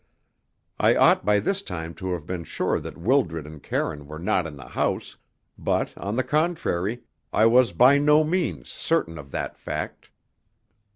I ought by this time to have been sure that Wildred and Karine were not in the house, but, on the contrary, I was by no means certain of that fact.